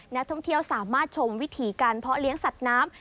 นักท่องเที่ยวสามารถชมวิถีการเพาะเลี้ยงสัตว์น้ำ